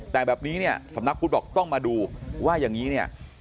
แต่แบบนี้เนี่ยสำนักพุทธบอกต้องมาดูว่าอย่างนี้เนี่ย